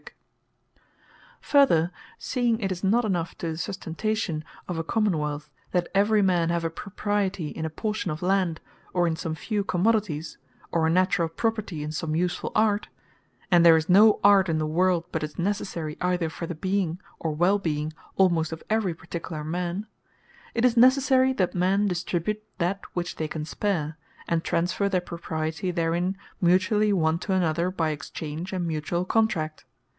The Laws Of Transferring Property Belong Also To The Soveraign Further, seeing it is not enough to the Sustentation of a Common wealth, that every man have a propriety in a portion of Land, or in some few commodities, or a naturall property in some usefull art, and there is no art in the world, but is necessary either for the being, or well being almost of every particular man; it is necessary, that men distribute that which they can spare, and transferre their propriety therein, mutually one to another, by exchange, and mutuall contract.